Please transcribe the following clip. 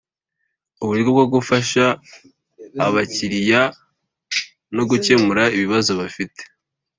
Uburyo bwo gufasha abakiriya no gukemura ibibazo bafite